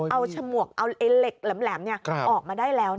เอาฉมวกเอาเหล็กแหลมออกมาได้แล้ว